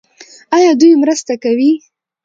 آیا دوی مرسته کوي؟